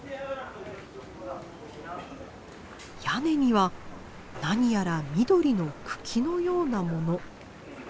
屋根には何やら緑の茎のような物。